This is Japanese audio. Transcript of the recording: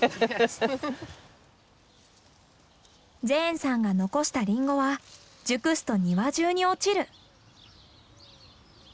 ジェーンさんが残したリンゴは熟すと庭じゅうに落ちる。